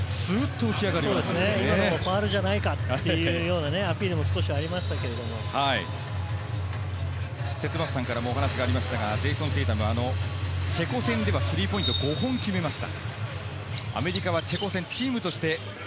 今のもファウルじゃないかというアピールもありましたけれども、節政さんからもお話ありましたが、テイタムもチェコ戦ではスリーポイントを５本決めました。